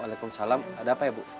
waalaikumsalam ada apa ya bu